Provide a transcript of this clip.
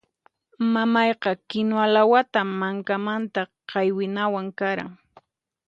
Mamayqa kinuwa lawata mankamanta qaywinawan qaran.